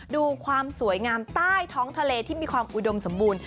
ดูความสวยงามใต้ท้องทะเลที่มีความอุดมสมบูรณ